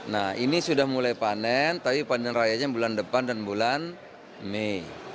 nah ini sudah mulai panen tapi panen rayanya bulan depan dan bulan mei